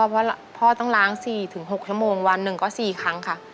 เพราะพ่อต้องล้าง๔๖ชั่วโมงวันหนึ่งก็๔ครั้งค่ะ